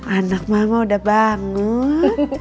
anak mama udah bangun